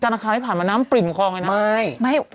ชานาคพี่ผ่านมาน้ำเปลี่ยงคอขกันนะห้มไม่